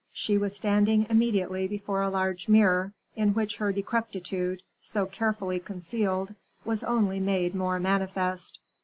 She was standing immediately before a large mirror, in which her decrepitude, so carefully concealed, was only made more manifest.